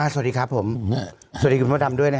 สวัสดีครับผมสวัสดีคุณพ่อดำด้วยนะฮะ